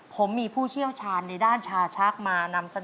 ผมมีผู้เชี่ยวชาญในด้านชาชักมานำเสนอ